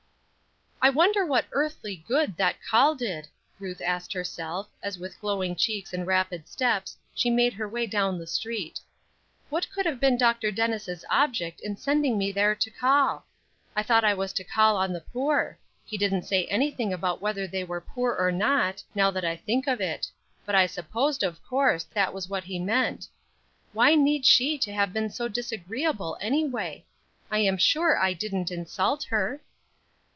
"I wonder what earthly good that call did?" Ruth asked herself, as with glowing cheeks and rapid steps, she made her way down the street. "What could have been Dr. Dennis' object in sending me there to call? I thought I was to call on the poor. He didn't say any thing about whether they were poor or not, now I think of it; but I supposed, of course, that was what he meant. Why need she have been so disagreeable, anyway? I am sure I didn't insult her."